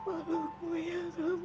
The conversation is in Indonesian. iman saya ikuti kemauan mbak